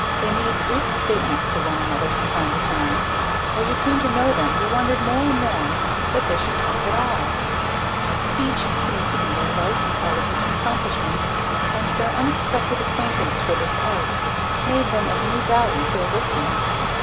They made brief statements to one another from time to time. As you came to know them you wondered more and more that they should talk at all. Speech seemed to be a light and elegant accomplishment, and their unexpected acquaintance with its arts made them of new value to the listener.